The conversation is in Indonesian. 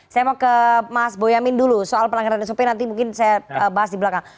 saya mau ke mas boyamin dulu soal pelanggaran sop nanti mungkin saya bahas di belakang